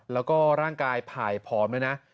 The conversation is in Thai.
แล้วก็ร่างกายผ่ายผอมด้วยนะ